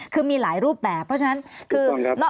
คือมีหลายรูปแบบเพราะฉะนั้นคือ